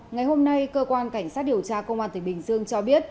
ngày hôm nay cơ quan cảnh sát điều tra công an tỉnh bình dương cho biết